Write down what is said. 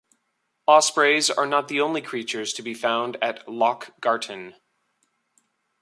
Ospreys are not the only creatures to be found at Loch Garten.